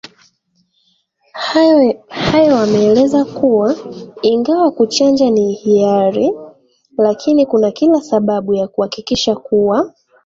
hayo wameeleza kuwa ingawa kuchanja ni hiari lakini kuna kila sababu ya kuhakikisha kuwa